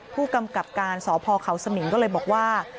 ผู้กำกับการสพเขาสมิงก็เลยบอกว่า